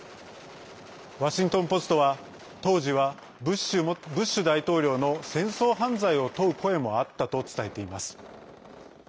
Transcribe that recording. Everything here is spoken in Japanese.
ワシントン・ポストは当時はブッシュ大統領の戦争犯罪を問う声もあったと伝えています。